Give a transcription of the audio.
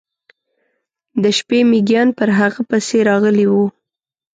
د شپې میږیان پر هغه پسې راغلي و.